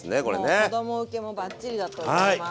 もう子ども受けもバッチリだと思います。